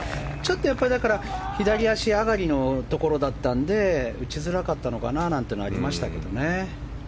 やっぱり、だから左足上がりのところだったので打ちづらかったのかななんてのはありますけどね。